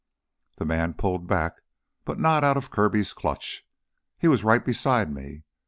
The man pulled back but not out of Kirby's clutch. "He was right beside me.